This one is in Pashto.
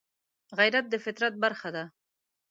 غیرت د فطرت برخه ده